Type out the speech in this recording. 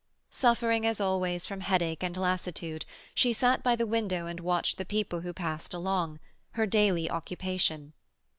Suffering, as always, from headache and lassitude, she sat by the window and watched the people who passed along—her daily occupation.